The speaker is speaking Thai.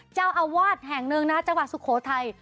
เจ้าอาวาสแห่งหนึ่งนะจังหวัดสุโขทัย